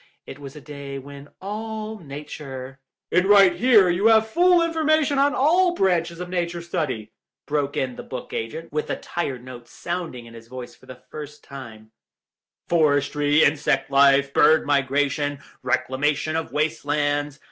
It was a day when all Nature—" "In Right Here you have full information on all branches of Nature study," broke in the bookagent, with a tired note sounding in his voice for the first time; "forestry, insect life, bird migration, reclamation of waste lands.